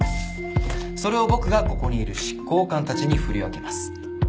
それを僕がここにいる執行官たちに振り分けます。